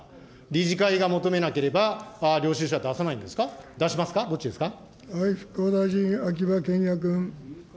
理事会が求めなければ領収書は出さないんですか、出しますか、どっちですか。